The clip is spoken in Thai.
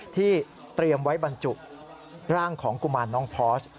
ที่เตรียมไว้บรรจุร่างของกุมารน้องพอส